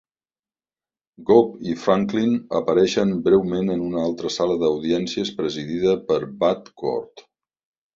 Gob i Franklin apareixen breument en una altra sala d'audiències presidida per Bud cort.